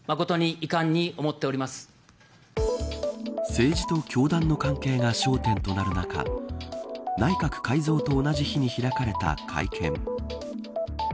政治と教団の関係が焦点となる中内閣改造と同じ日に開かれた会見。